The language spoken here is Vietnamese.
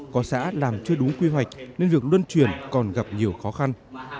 có xã làm chưa đúng quy hoạch nên việc luân chuyển còn gặp nhiều khó khăn